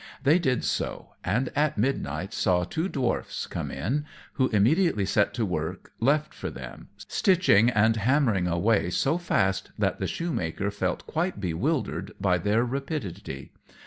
They did so, and at midnight saw two Dwarfs come in, who immediately set to at the work left for them, stitching and hammering away so fast that the Shoemaker felt quite bewildered by their rapidity.